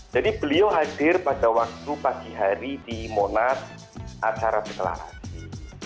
jadi beliau hadir pada waktu pagi hari di monas acara deklarasi